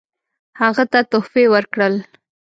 هغه ته تحفې ورکړل.